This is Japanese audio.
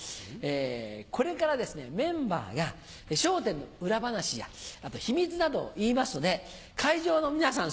これからですねメンバーが『笑点』の裏話や秘密などを言いますので会場の皆さん